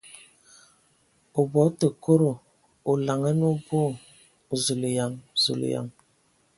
O bɔ tǝ kodo ! O laŋanǝ o boo !... Zulayan ! Zulǝyan!